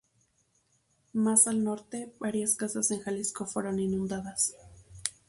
Más al norte, varias casas en Jalisco fueron inundadas.